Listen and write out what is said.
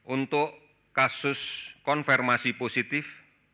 untuk kasus konfirmasi positif